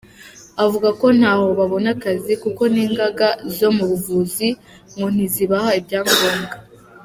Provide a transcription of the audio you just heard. Avuga ko ntaho babona akazi kuko n’inganga zo mu buvuzi ngo ntizibaha ibyangombwa.